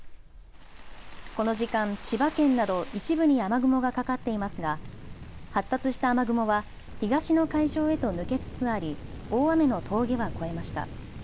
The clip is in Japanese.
この時間、千葉県など一部に雨雲がかかっていますが発達した雨雲は東の海上へと抜けつつあり大雨の峠は越えました。